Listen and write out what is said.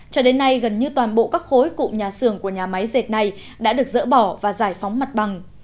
cho đến nay gần như toàn bộ các khối cụ nhà xưởng của nhà máy dệt này đã được dỡ bỏ và giải phóng mặt bằng